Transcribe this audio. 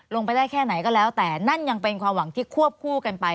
ลงไปได้แค่ไหนก็แล้วแต่นั่นยังเป็นความหวังที่ควบคู่กันไป